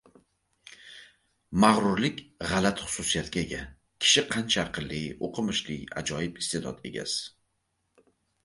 Magrurlik g‘alati xususiyatga ega. Kishi qancha aqlli, o‘qimishli, ajoyib iste’dod egasi